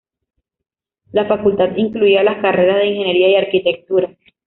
La Facultad incluía las carreras de Ingeniería y Arquitectura.